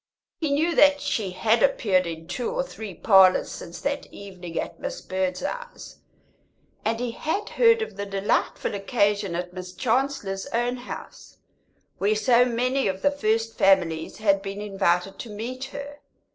He knew that she had appeared in two or three parlours since that evening at Miss Birdseye's, and he had heard of the delightful occasion at Miss Chancellor's own house, where so many of the first families had been invited to meet her.